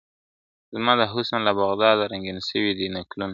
زما د حُسن له بغداده رنګین سوي دي نکلونه !.